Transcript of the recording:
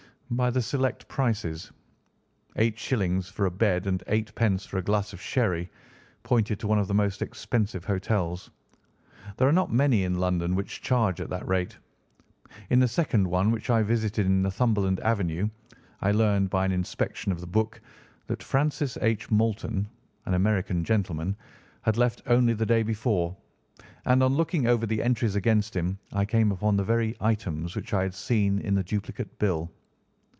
"By the select prices. Eight shillings for a bed and eightpence for a glass of sherry pointed to one of the most expensive hotels. There are not many in London which charge at that rate. In the second one which I visited in Northumberland Avenue, I learned by an inspection of the book that Francis H. Moulton, an American gentleman, had left only the day before, and on looking over the entries against him, I came upon the very items which I had seen in the duplicate bill.